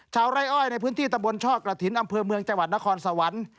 ไร้อ้อยในพื้นที่ตำบลช่อกระถิ่นอำเภอเมืองจังหวัดนครสวรรค์